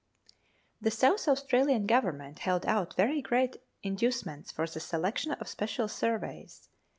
The South Australian Government held out very great induce ments for the selection of special surveys.